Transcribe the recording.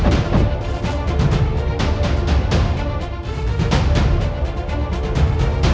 aku akan melihatnya